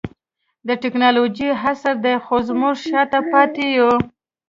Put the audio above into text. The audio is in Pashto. نن د ټکنالوجۍ عصر دئ؛ خو موږ شاته پاته يو.